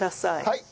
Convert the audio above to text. はい！